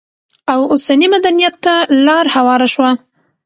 او اوسني مدنيت ته لار هواره شوه؛